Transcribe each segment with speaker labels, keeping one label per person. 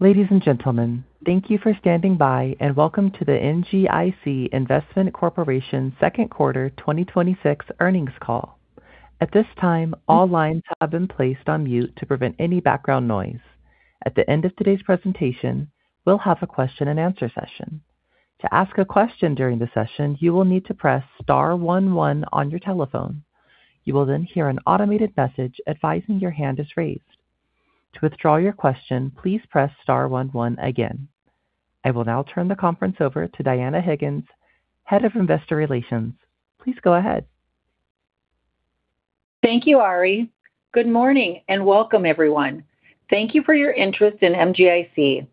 Speaker 1: Ladies and gentlemen, thank you for standing by and welcome to the MGIC Investment Corporation second quarter 2026 earnings call. At this time, all lines have been placed on mute to prevent any background noise. At the end of today's presentation, we'll have a question and answer session. To ask a question during the session, you will need to press star one one on your telephone. You will then hear an automated message advising your hand is raised. To withdraw your question, please press star one one again. I will now turn the conference over to Dianna Higgins, Head of Investor Relations. Please go ahead.
Speaker 2: Thank you, Ari. Good morning and welcome everyone. Thank you for your interest in MGIC.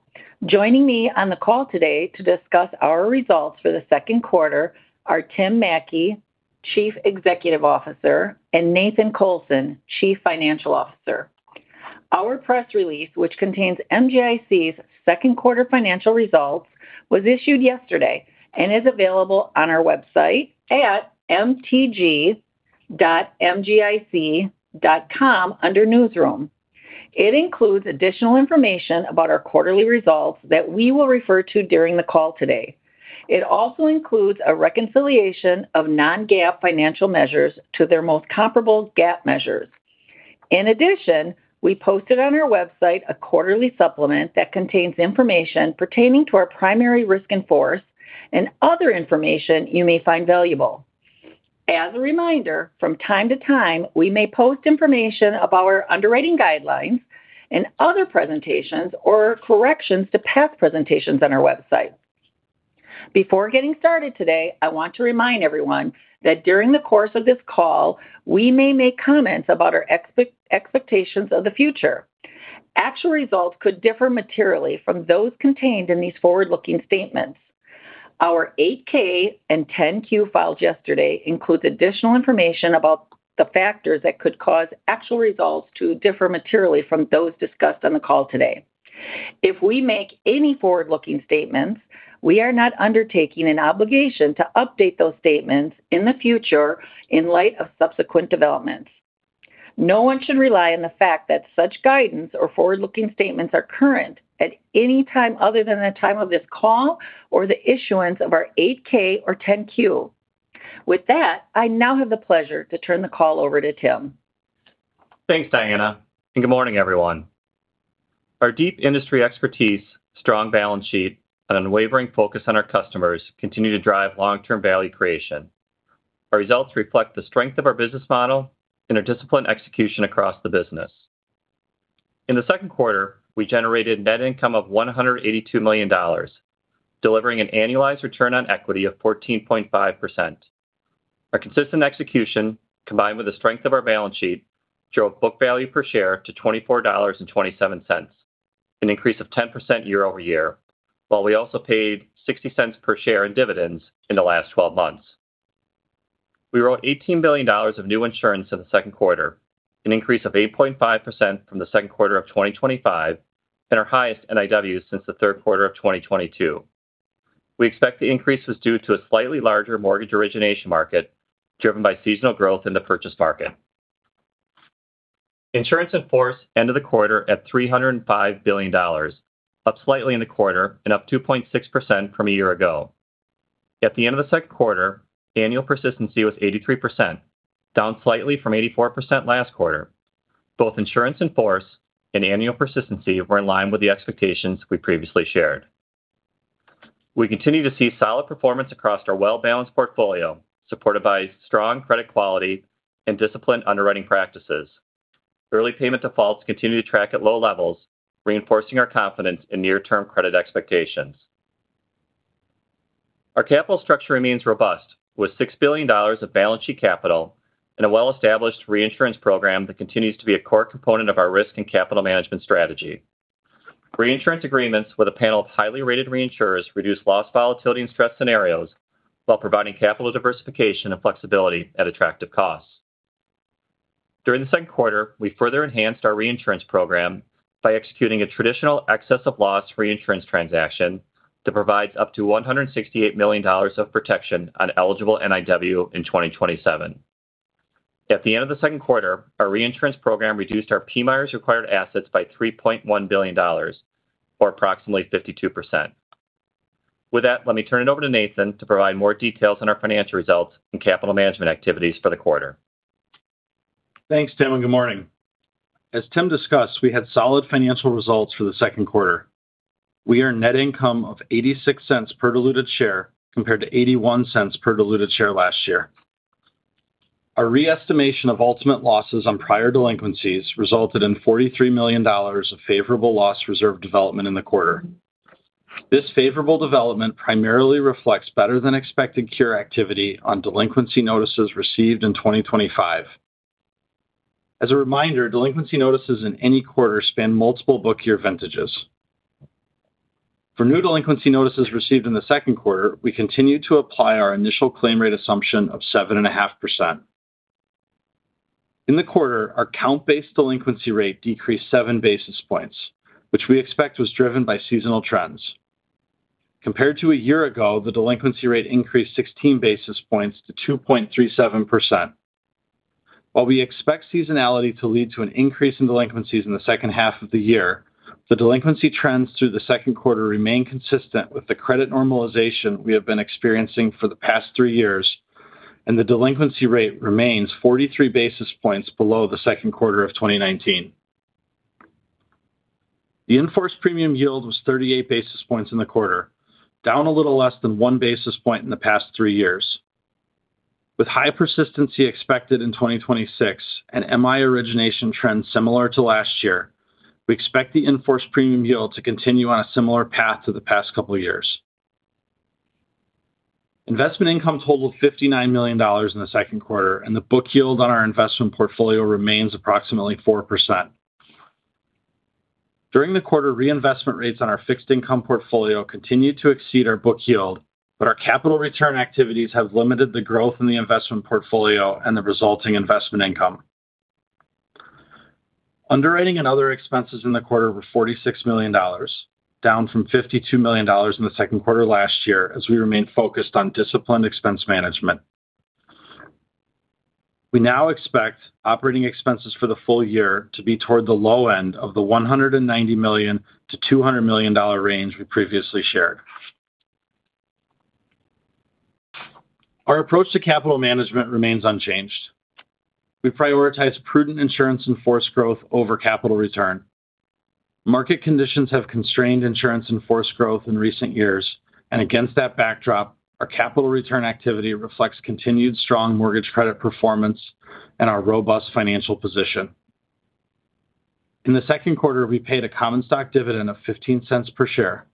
Speaker 2: Joining me on the call today to discuss our results for the second quarter are Tim Mattke, Chief Executive Officer, and Nathan Colson, Chief Financial Officer. Our press release, which contains MGIC's second quarter financial results, was issued yesterday and is available on our website at mtg.mgic.com under Newsroom. It includes additional information about our quarterly results that we will refer to during the call today. It also includes a reconciliation of non-GAAP financial measures to their most comparable GAAP measures. In addition, we posted on our website a quarterly supplement that contains information pertaining to our primary risk in force and other information you may find valuable. As a reminder, from time to time, we may post information about our underwriting guidelines and other presentations or corrections to past presentations on our website. Before getting started today, I want to remind everyone that during the course of this call, we may make comments about our expectations of the future. Actual results could differ materially from those contained in these forward-looking statements. Our 8-K and 10-Q filed yesterday includes additional information about the factors that could cause actual results to differ materially from those discussed on the call today. If we make any forward-looking statements, we are not undertaking an obligation to update those statements in the future in light of subsequent developments. No one should rely on the fact that such guidance or forward-looking statements are current at any time other than the time of this call or the issuance of our 8-K or 10-Q. With that, I now have the pleasure to turn the call over to Tim.
Speaker 3: Thanks, Dianna, good morning, everyone. Our deep industry expertise, strong balance sheet, and unwavering focus on our customers continue to drive long-term value creation. Our results reflect the strength of our business model and our disciplined execution across the business. In the second quarter, we generated net income of $182 million, delivering an annualized return on equity of 14.5%. Our consistent execution, combined with the strength of our balance sheet, drove book value per share to $24.27, an increase of 10% year-over-year. While we also paid $0.60 per share in dividends in the last 12 months. We wrote $18 billion of new insurance in the second quarter, an increase of 8.5% from the second quarter of 2025, and our highest NIW since the third quarter of 2022. We expect the increase is due to a slightly larger mortgage origination market, driven by seasonal growth in the purchase market. Insurance in force end of the quarter at $305 billion, up slightly in the quarter and up 2.6% from a year ago. At the end of the second quarter, annual persistency was 83%, down slightly from 84% last quarter. Both insurance in force and annual persistency were in line with the expectations we previously shared. We continue to see solid performance across our well-balanced portfolio, supported by strong credit quality and disciplined underwriting practices. Early payment defaults continue to track at low levels, reinforcing our confidence in near-term credit expectations. Our capital structure remains robust, with $6 billion of balance sheet capital and a well-established reinsurance program that continues to be a core component of our risk and capital management strategy. Reinsurance agreements with a panel of highly rated reinsurers reduce loss volatility and stress scenarios, while providing capital diversification and flexibility at attractive costs. During the second quarter, we further enhanced our reinsurance program by executing a traditional excess of loss reinsurance transaction that provides up to $168 million of protection on eligible NIW in 2027. At the end of the second quarter, our reinsurance program reduced our PMIERs required assets by $3.1 billion, or approximately 52%. With that, let me turn it over to Nathan to provide more details on our financial results and capital management activities for the quarter.
Speaker 4: Thanks, Tim. Good morning. As Tim discussed, we had solid financial results for the second quarter. We earned net income of $0.86 per diluted share, compared to $0.81 per diluted share last year. Our re-estimation of ultimate losses on prior delinquencies resulted in $43 million of favorable loss reserve development in the quarter. This favorable development primarily reflects better than expected cure activity on delinquency notices received in 2025. As a reminder, delinquency notices in any quarter span multiple book year vintages. For new delinquency notices received in the second quarter, we continue to apply our initial claim rate assumption of 7.5%. In the quarter, our count-based delinquency rate decreased seven basis points, which we expect was driven by seasonal trends. Compared to a year ago, the delinquency rate increased 16 basis points to 2.37%. While we expect seasonality to lead to an increase in delinquencies in the second half of the year, the delinquency trends through the second quarter remain consistent with the credit normalization we have been experiencing for the past three years. The delinquency rate remains 43 basis points below the second quarter of 2019. The in-force premium yield was 38 basis points in the quarter, down a little less than one basis point in the past three years. With high persistency expected in 2026. MI origination trends similar to last year, we expect the in-force premium yield to continue on a similar path to the past couple of years. Investment income totaled $59 million in the second quarter. The book yield on our investment portfolio remains approximately 4%. During the quarter, reinvestment rates on our fixed income portfolio continued to exceed our book yield, our capital return activities have limited the growth in the investment portfolio and the resulting investment income. Underwriting and other expenses in the quarter were $46 million, down from $52 million in the second quarter last year, as we remain focused on disciplined expense management. We now expect operating expenses for the full year to be toward the low end of the $190 million-$200 million range we previously shared. Our approach to capital management remains unchanged. We prioritize prudent insurance in-force growth over capital return. Market conditions have constrained insurance in-force growth in recent years, and against that backdrop, our capital return activity reflects continued strong mortgage credit performance and our robust financial position. In the second quarter, we paid a common stock dividend of $0.15 per share.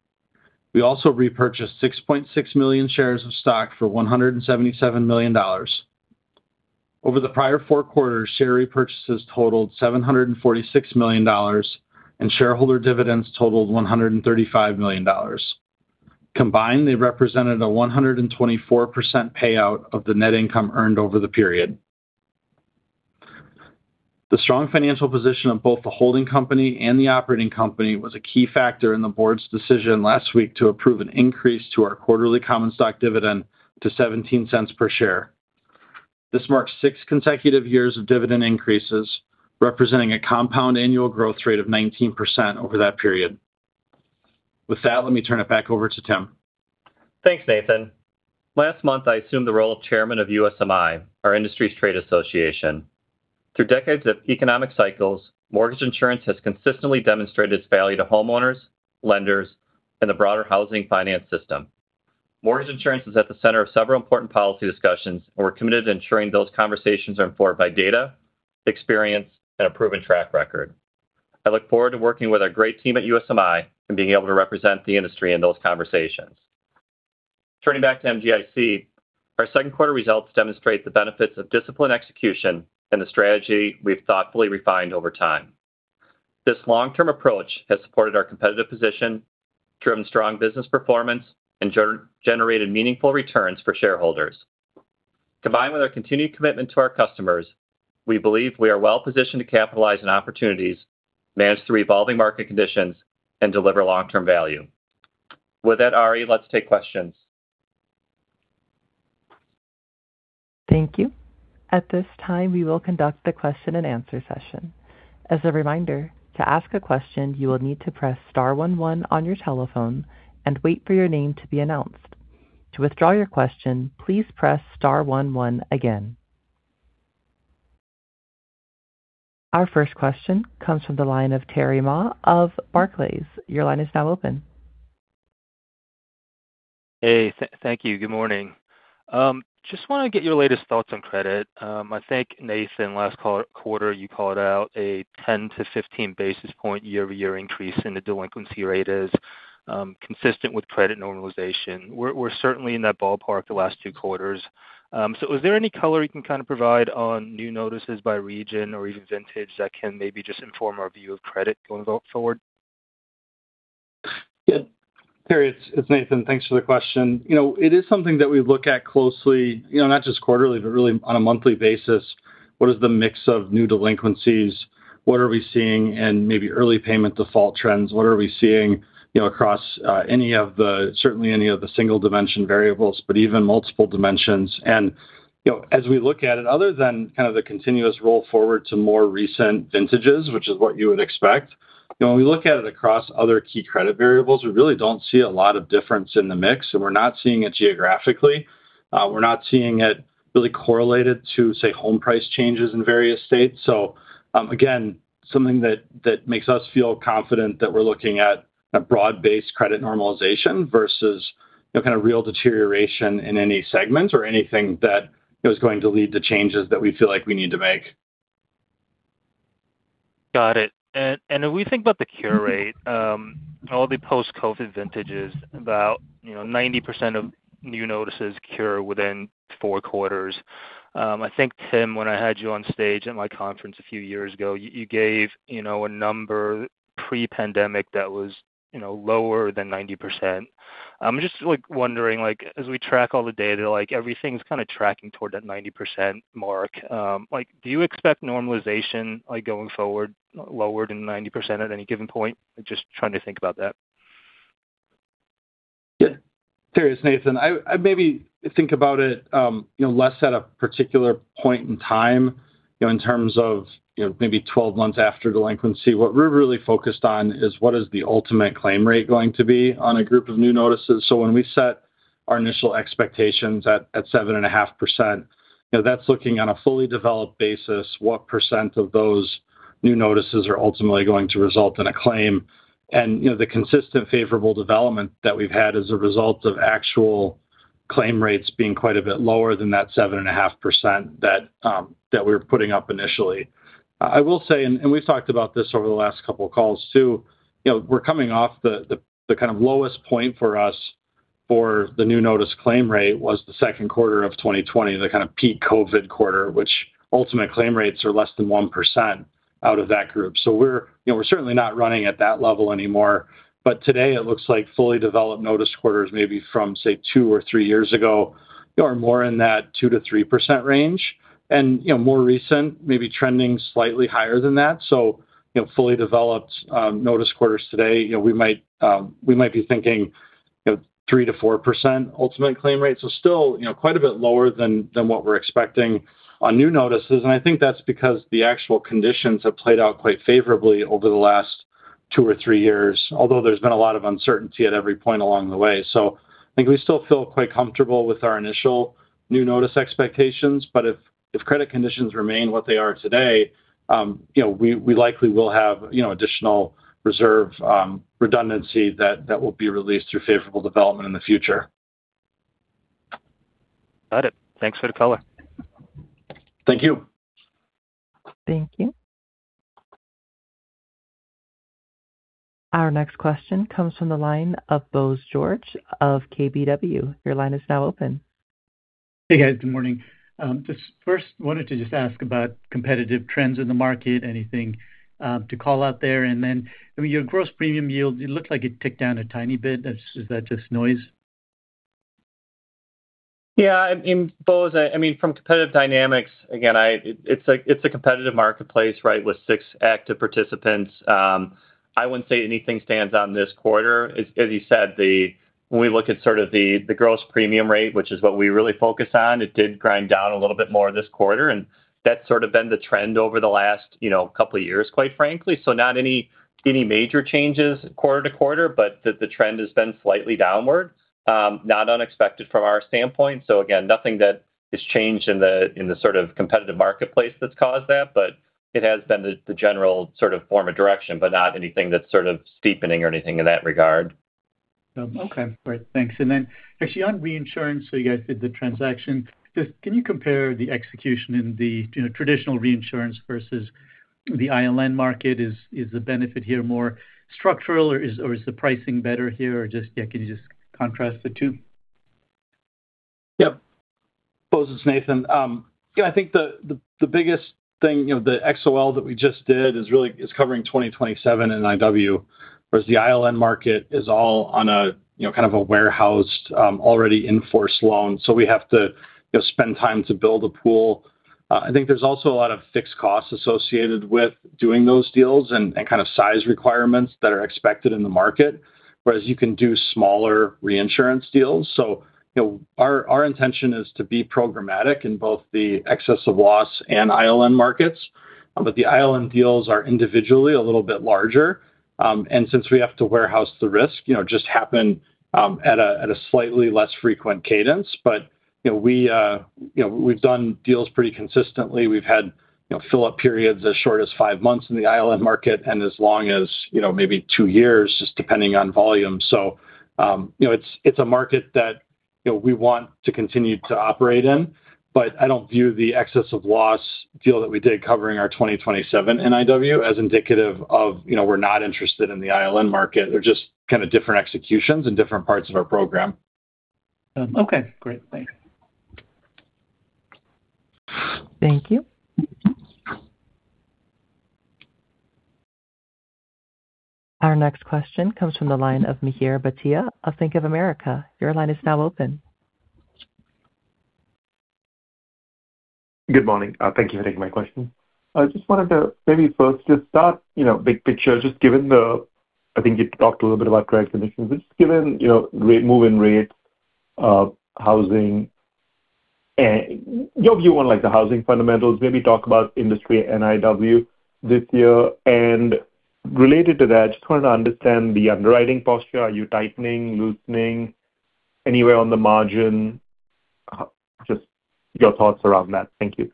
Speaker 4: We also repurchased 6.6 million shares of stock for $177 million. Over the prior four quarters, share repurchases totaled $746 million, and shareholder dividends totaled $135 million. Combined, they represented a 124% payout of the net income earned over the period. The strong financial position of both the holding company and the operating company was a key factor in the board's decision last week to approve an increase to our quarterly common stock dividend to $0.17 per share. This marks six consecutive years of dividend increases, representing a compound annual growth rate of 19% over that period. With that, let me turn it back over to Tim.
Speaker 3: Thanks, Nathan. Last month, I assumed the role of Chairman of USMI, our industry's trade association. Through decades of economic cycles, mortgage insurance has consistently demonstrated its value to homeowners, lenders, and the broader housing finance system. Mortgage insurance is at the center of several important policy discussions, we're committed to ensuring those conversations are informed by data, experience, and a proven track record. I look forward to working with our great team at USMI and being able to represent the industry in those conversations. Turning back to MGIC, our second quarter results demonstrate the benefits of disciplined execution and the strategy we've thoughtfully refined over time. This long-term approach has supported our competitive position, driven strong business performance, and generated meaningful returns for shareholders. Combined with our continued commitment to our customers, we believe we are well positioned to capitalize on opportunities, manage through evolving market conditions, and deliver long-term value. With that, Ari, let's take questions.
Speaker 1: Thank you. At this time, we will conduct the question and answer session. As a reminder, to ask a question, you will need to press star 11 on your telephone and wait for your name to be announced. To withdraw your question, please press star 11 again. Our first question comes from the line of Terry Ma of Barclays. Your line is now open.
Speaker 5: Hey, thank you. Good morning. Just want to get your latest thoughts on credit. I think, Nathan, last quarter, you called out a 10 to 15 basis point year-over-year increase in the delinquency rate as consistent with credit normalization. We're certainly in that ballpark the last two quarters. Is there any color you can kind of provide on new notices by region or even vintage that can maybe just inform our view of credit going forward?
Speaker 4: Yeah. Terry, it's Nathan. Thanks for the question. It is something that we look at closely, not just quarterly, but really on a monthly basis. What is the mix of new delinquencies? What are we seeing in maybe early payment default trends? What are we seeing across certainly any of the single-dimension variables, but even multiple dimensions? As we look at it, other than kind of the continuous roll forward to more recent vintages, which is what you would expect, when we look at it across other key credit variables, we really don't see a lot of difference in the mix, and we're not seeing it geographically. We're not seeing it really correlated to, say, home price changes in various states. Again, something that makes us feel confident that we're looking at a broad-based credit normalization versus real deterioration in any segment or anything that is going to lead to changes that we feel like we need to make.
Speaker 5: Got it. If we think about the cure rate, all the post-COVID vintages, about 90% of new notices cure within four quarters. I think, Tim, when I had you on stage at my conference a few years ago, you gave a number pre-pandemic that was lower than 90%. I'm just wondering, as we track all the data, everything's kind of tracking toward that 90% mark. Do you expect normalization going forward lower than 90% at any given point? Just trying to think about that.
Speaker 4: Curious, Nathan. I maybe think about it less at a particular point in time in terms of maybe 12 months after delinquency. What we're really focused on is what is the ultimate claim rate going to be on a group of new notices. When we set our initial expectations at 7.5%, that's looking on a fully developed basis, what percent of those new notices are ultimately going to result in a claim? The consistent favorable development that we've had as a result of actual claim rates being quite a bit lower than that 7.5% that we were putting up initially. I will say, we've talked about this over the last couple of calls too, we're coming off the kind of lowest point for us for the new notice claim rate was the second quarter of 2020, the kind of peak COVID quarter, which ultimate claim rates are less than 1% out of that group. We're certainly not running at that level anymore. Today it looks like fully developed notice quarters, maybe from, say, two or three years ago are more in that 2%-3% range. More recent, maybe trending slightly higher than that. Fully developed notice quarters today, we might be thinking 3%-4% ultimate claim rates. Still quite a bit lower than what we're expecting on new notices. I think that's because the actual conditions have played out quite favorably over the last two or three years, although there's been a lot of uncertainty at every point along the way. I think we still feel quite comfortable with our initial new notice expectations. If credit conditions remain what they are today, we likely will have additional reserve redundancy that will be released through favorable development in the future.
Speaker 5: Got it. Thanks for the color.
Speaker 4: Thank you.
Speaker 1: Thank you. Our next question comes from the line of Bose George of KBW. Your line is now open.
Speaker 6: Hey, guys. Good morning. Just first wanted to just ask about competitive trends in the market. Anything to call out there? Your gross premium yield, it looks like it ticked down a tiny bit. Is that just noise?
Speaker 3: Yeah, Bose, from competitive dynamics, again, it's a competitive marketplace, right? With six active participants. I wouldn't say anything stands out in this quarter. As you said, when we look at sort of the gross premium rate, which is what we really focus on, it did grind down a little bit more this quarter, and that's sort of been the trend over the last couple of years, quite frankly. Not any major changes quarter-to-quarter, but the trend has been slightly downwards. Not unexpected from our standpoint. Again, nothing that has changed in the sort of competitive marketplace that's caused that. It has been the general sort of form of direction, but not anything that's sort of steepening or anything in that regard.
Speaker 6: Okay, great. Thanks. Actually on reinsurance, you guys did the transaction. Just can you compare the execution in the traditional reinsurance versus the ILN market? Is the benefit here more structural, or is the pricing better here? Just, yeah, can you just contrast the two?
Speaker 4: Yep. Bose, it's Nathan. I think the biggest thing, the XOL that we just did is covering 2027 NIW, whereas the ILN market is all on a kind of a warehoused, already in-force loan. We have to spend time to build a pool. I think there's also a lot of fixed costs associated with doing those deals and kind of size requirements that are expected in the market, whereas you can do smaller reinsurance deals. Our intention is to be programmatic in both the excess of loss and ILN markets. The ILN deals are individually a little bit larger. Since we have to warehouse the risk, just happen at a slightly less frequent cadence. We've done deals pretty consistently. We've had fill-up periods as short as five months in the ILN market and as long as maybe two years, just depending on volume. It's a market that we want to continue to operate in, I don't view the excess of loss deal that we did covering our 2027 NIW as indicative of we're not interested in the ILN market. They're just kind of different executions in different parts of our program.
Speaker 6: Okay, great. Thanks.
Speaker 1: Thank you. Our next question comes from the line of Mihir Bhatia of Bank of America. Your line is now open.
Speaker 7: Good morning. Thank you for taking my question. I just wanted to maybe first just start big picture, just given the, I think you talked a little bit about credit conditions, but just given moving rates, housing, and your view on the housing fundamentals, maybe talk about industry NIW this year. Related to that, just wanted to understand the underwriting posture. Are you tightening, loosening anywhere on the margin? Just your thoughts around that. Thank you.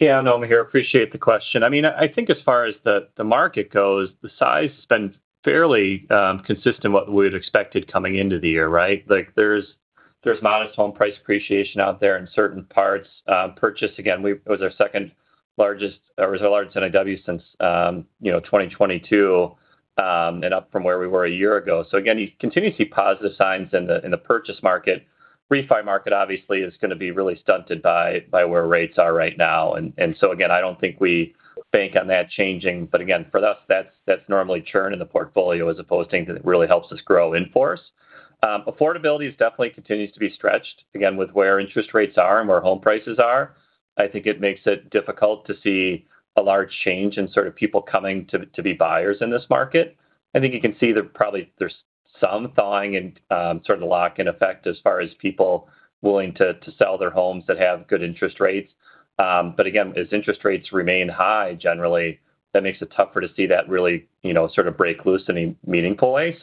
Speaker 3: Yeah. No, Mihir, appreciate the question. I think as far as the market goes, the size has been fairly consistent what we had expected coming into the year, right? There's modest home price appreciation out there in certain parts. Purchase, again, it was our second largest NIW since 2022, and up from where we were a year ago. Again, you continue to see positive signs in the purchase market. Refi market obviously is going to be really stunted by where rates are right now. So again, I don't think we bank on that changing. Again, for us, that's normally churn in the portfolio as opposed to things that really helps us grow in force. Affordability definitely continues to be stretched, again, with where interest rates are and where home prices are. I think it makes it difficult to see A large change in sort of people coming to be buyers in this market. I think you can see there's some thawing and sort of lock-in effect as far as people willing to sell their homes that have good interest rates. Again, as interest rates remain high generally, that makes it tougher to see that really sort of break loose in a meaningful way.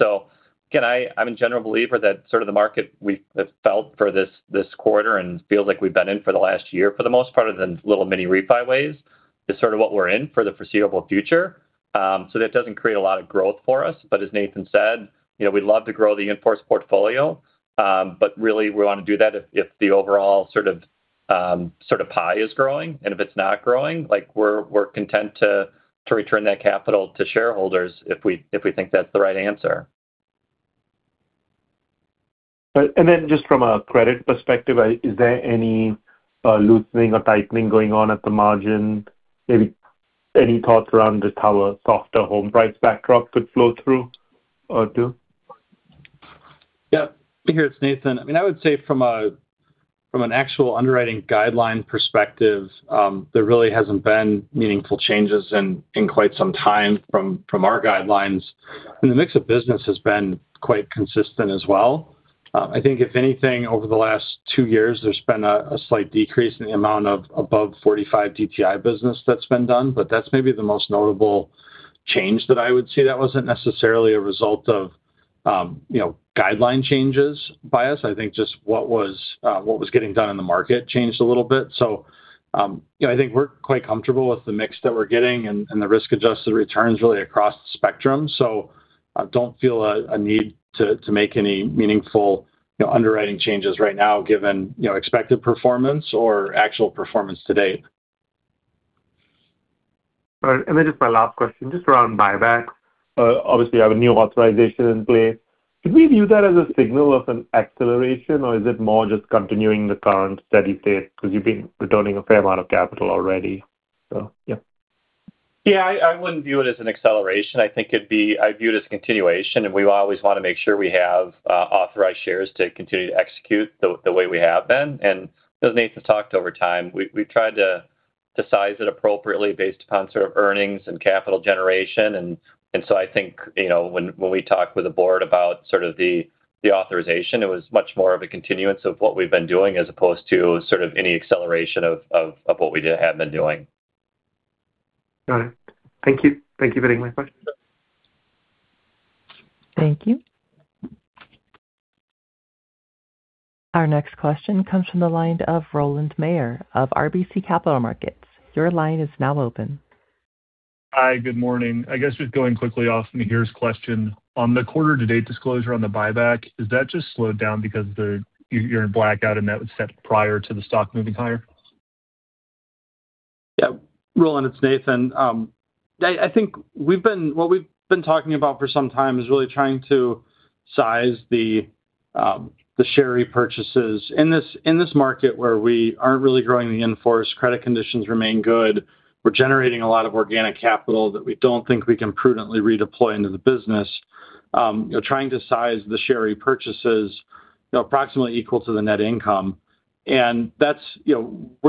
Speaker 3: Again, I'm a general believer that sort of the market we have felt for this quarter and feels like we've been in for the last year for the most part in the little mini refi ways is sort of what we're in for the foreseeable future. That doesn't create a lot of growth for us. As Nathan said, we'd love to grow the in-force portfolio. Really, we want to do that if the overall sort of pie is growing, and if it's not growing, we're content to return that capital to shareholders if we think that's the right answer.
Speaker 7: Just from a credit perspective, is there any loosening or tightening going on at the margin? Maybe any thoughts around just how a softer home price backdrop could flow through or do?
Speaker 4: Yeah. Mihir, it's Nathan. I would say from an actual underwriting guideline perspective, there really hasn't been meaningful changes in quite some time from our guidelines. The mix of business has been quite consistent as well. I think if anything, over the last two years, there's been a slight decrease in the amount of above 45 DTI business that's been done. That's maybe the most notable change that I would see that wasn't necessarily a result of guideline changes by us. I think just what was getting done in the market changed a little bit. I think we're quite comfortable with the mix that we're getting and the risk-adjusted returns really across the spectrum. I don't feel a need to make any meaningful underwriting changes right now given expected performance or actual performance to date.
Speaker 7: Just my last question, just around buyback. Obviously, you have a new authorization in place. Could we view that as a signal of an acceleration or is it more just continuing the current steady state because you've been returning a fair amount of capital already? Yeah.
Speaker 3: Yeah, I wouldn't view it as an acceleration. I think I'd view it as continuation. We always want to make sure we have authorized shares to continue to execute the way we have been. As Nathan's talked over time, we've tried to size it appropriately based upon sort of earnings and capital generation. I think when we talked with the board about sort of the authorization, it was much more of a continuance of what we've been doing as opposed to sort of any acceleration of what we have been doing.
Speaker 7: Got it. Thank you. Thank you for taking my questions.
Speaker 1: Thank you. Our next question comes from the line of Rowland of RBC Capital Markets. Your line is now open.
Speaker 8: Hi, good morning. I guess just going quickly off Mihir's question. On the quarter-to-date disclosure on the buyback, is that just slowed down because you're in blackout and that was set prior to the stock moving higher?
Speaker 4: Yeah. Rowland, it's Nathan. I think what we've been talking about for some time is really trying to size the share repurchases in this market where we aren't really growing the in-force. Credit conditions remain good. We're generating a lot of organic capital that we don't think we can prudently redeploy into the business. Trying to size the share repurchases approximately equal to the net income. We're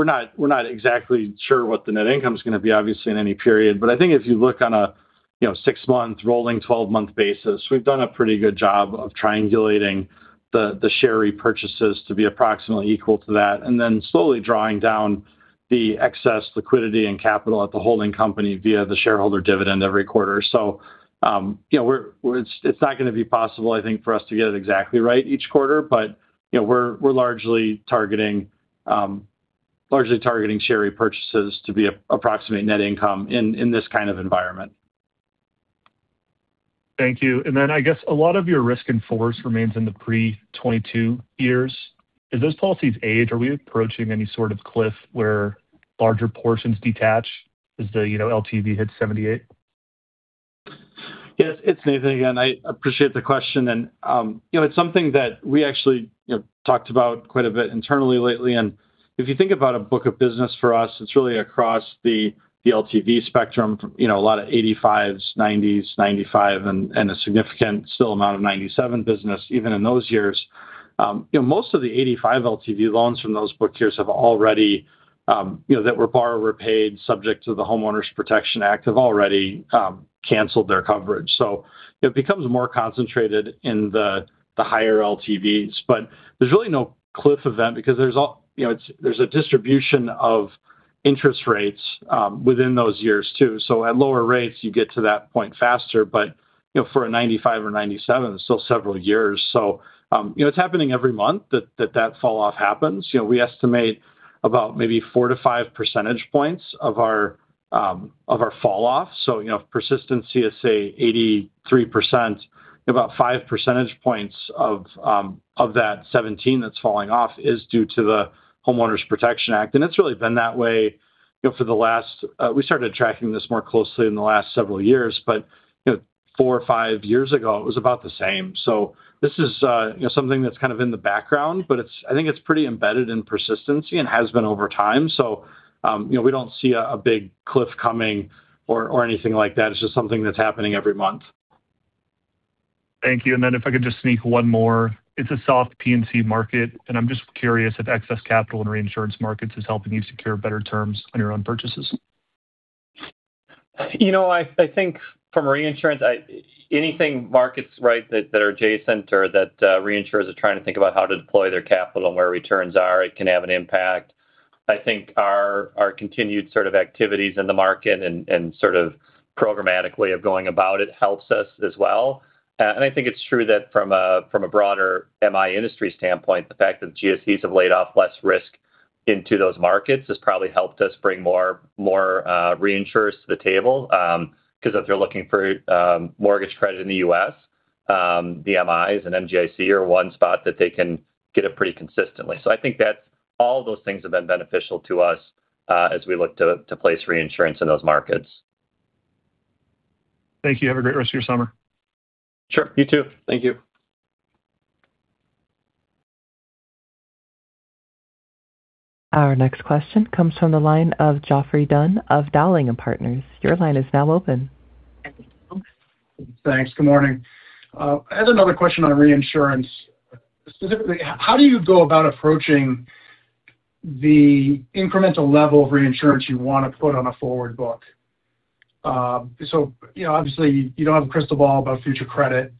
Speaker 4: not exactly sure what the net income's going to be, obviously, in any period. I think if you look on a six-month, rolling 12-month basis, we've done a pretty good job of triangulating the share repurchases to be approximately equal to that, and then slowly drawing down the excess liquidity and capital at the holding company via the shareholder dividend every quarter. It's not going to be possible, I think, for us to get it exactly right each quarter. We're largely targeting share repurchases to be approximate net income in this kind of environment.
Speaker 8: Thank you. I guess a lot of your risk in-force remains in the pre-'22 years. As those policies age, are we approaching any sort of cliff where larger portions detach as the LTV hits 78?
Speaker 4: Yes, it's Nathan again. I appreciate the question. It's something that we actually talked about quite a bit internally lately. If you think about a book of business for us, it's really across the LTV spectrum from a lot of 85s, 90s, 95, and a significant still amount of 97 business even in those years. Most of the 85 LTV loans from those book years that were borrower paid subject to the Homeowners Protection Act have already canceled their coverage. It becomes more concentrated in the higher LTVs. There's really no cliff event because there's a distribution of interest rates within those years, too. At lower rates, you get to that point faster. For a 95 or 97, it's still several years. It's happening every month that that fall-off happens. We estimate about maybe four to five percentage points of our fall-off. Persistency is, say, 83%, about five percentage points of that 17 that's falling off is due to the Homeowners Protection Act. It's really been that way for the last-- We started tracking this more closely in the last several years, but four or five years ago, it was about the same. This is something that's kind of in the background, but I think it's pretty embedded in persistency and has been over time. We don't see a big cliff coming or anything like that. It's just something that's happening every month.
Speaker 8: Thank you. Then if I could just sneak one more. It's a soft P&C market, and I'm just curious if excess capital in reinsurance markets is helping you secure better terms on your own purchases.
Speaker 3: I think from reinsurance, anything markets that are adjacent or that reinsurers are trying to think about how to deploy their capital and where returns are, it can have an impact. I think our continued sort of activities in the market and sort of programmatically of going about it helps us as well. I think it's true that from a broader MI industry standpoint, the fact that GSEs have laid off less risk into those markets has probably helped us bring more reinsurers to the table. Because if they're looking for mortgage credit in the U.S., the MIs and MGIC are one spot that they can get it pretty consistently. I think that all those things have been beneficial to us as we look to place reinsurance in those markets.
Speaker 8: Thank you. Have a great rest of your summer.
Speaker 3: Sure. You too. Thank you.
Speaker 1: Our next question comes from the line of Geoffrey Dunn of Dowling & Partners. Your line is now open.
Speaker 9: Thanks. Good morning. I had another question on reinsurance. Specifically, how do you go about approaching the incremental level of reinsurance you want to put on a forward book? Obviously, you don't have a crystal ball about future credit.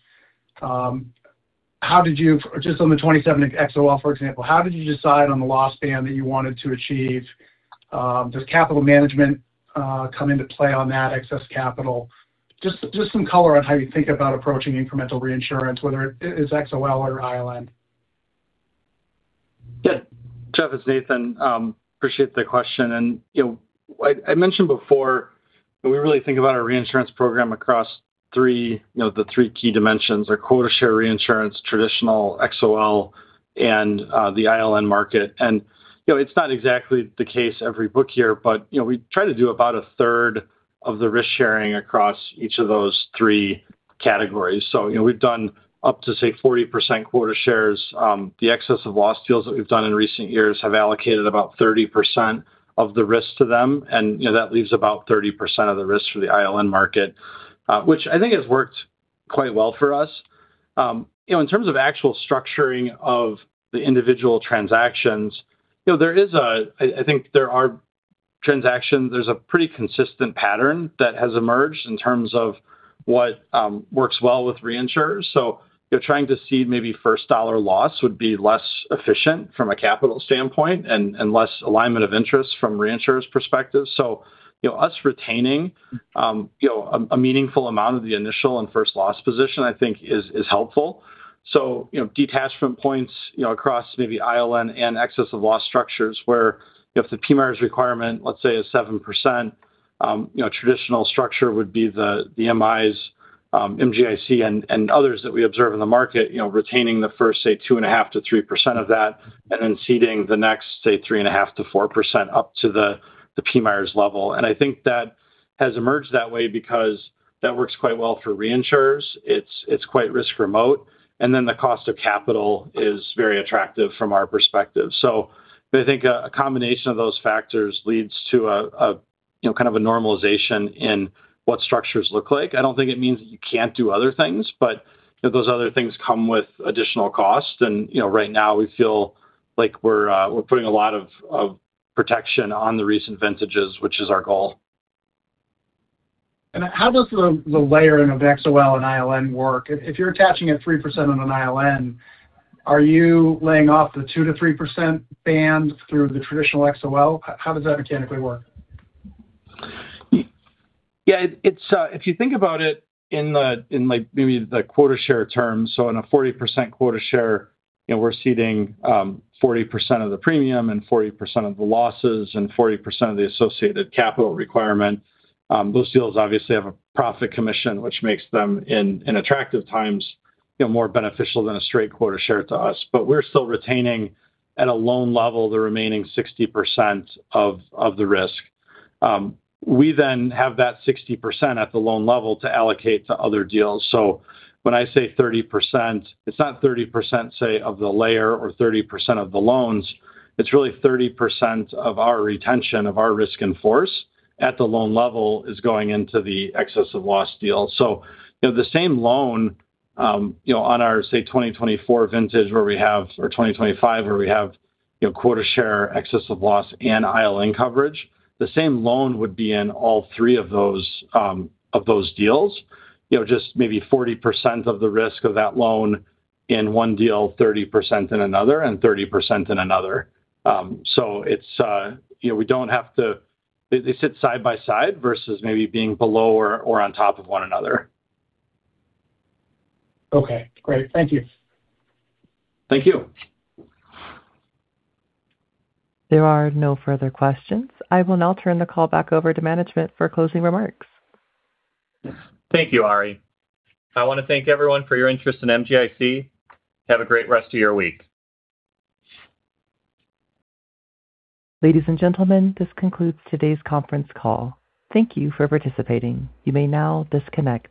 Speaker 9: Just on the 2027 XOL, for example, how did you decide on the loss band that you wanted to achieve? Does capital management come into play on that excess capital? Just some color on how you think about approaching incremental reinsurance, whether it is XOL or ILN.
Speaker 4: Yeah. Geoff, it's Nathan. Appreciate the question. I mentioned before that we really think about our reinsurance program across the three key dimensions are quota share reinsurance, traditional XOL, and the ILN market. It's not exactly the case every book year, but we try to do about a third of the risk-sharing across each of those three categories. We've done up to, say, 40% quota shares. The excess of loss deals that we've done in recent years have allocated about 30% of the risk to them, and that leaves about 30% of the risk for the ILN market, which I think has worked quite well for us. In terms of actual structuring of the individual transactions, I think there are transactions, there's a pretty consistent pattern that has emerged in terms of what works well with reinsurers. Trying to cede maybe first dollar loss would be less efficient from a capital standpoint and less alignment of interest from reinsurers' perspective. Us retaining a meaningful amount of the initial and first loss position, I think, is helpful. Detachment points across maybe ILN and excess of loss structures where if the PMIERs requirement, let's say, is 7%, traditional structure would be the MIs, MGIC, and others that we observe in the market retaining the first, say, 2.5%-3% of that, and then ceding the next, say, 3.5%-4% up to the PMIERs level. I think that has emerged that way because that works quite well for reinsurers. It's quite risk remote, and then the cost of capital is very attractive from our perspective. I think a combination of those factors leads to a kind of a normalization in what structures look like. I don't think it means that you can't do other things, but those other things come with additional cost. Right now we feel like we're putting a lot of protection on the recent vintages, which is our goal.
Speaker 9: How does the layering of XOL and ILN work? If you're attaching a 3% on an ILN, are you laying off the 2%-3% band through the traditional XOL? How does that mechanically work?
Speaker 4: Yeah. If you think about it in like maybe the quota share terms, on a 40% quota share, we're ceding 40% of the premium and 40% of the losses and 40% of the associated capital requirement. Those deals obviously have a profit commission, which makes them, in attractive times, more beneficial than a straight quota share to us. We're still retaining at a loan level the remaining 60% of the risk. We have that 60% at the loan level to allocate to other deals. When I say 30%, it's not 30%, say, of the layer or 30% of the loans, it's really 30% of our retention of our risk in force at the loan level is going into the excess of loss deal. The same loan on our, say, 2024 vintage or 2025, where we have quota share excess of loss and ILN coverage, the same loan would be in all three of those deals. Just maybe 40% of the risk of that loan in one deal, 30% in another, and 30% in another. They sit side by side versus maybe being below or on top of one another.
Speaker 9: Okay, great. Thank you.
Speaker 3: Thank you.
Speaker 1: There are no further questions. I will now turn the call back over to management for closing remarks.
Speaker 3: Thank you, Ari. I want to thank everyone for your interest in MGIC. Have a great rest of your week.
Speaker 1: Ladies and gentlemen, this concludes today's conference call. Thank you for participating. You may now disconnect.